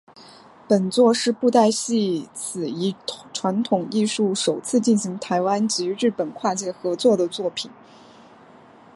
本作是布袋戏此一传统艺术首次进行台湾及日本跨界合作的作品。